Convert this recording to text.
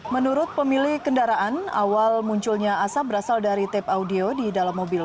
menurut pemilik kendaraan awal munculnya asap berasal dari tap audio di dalam mobil